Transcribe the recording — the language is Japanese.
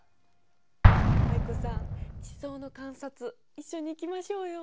藍子さん地層の観察一緒に行きましょうよ。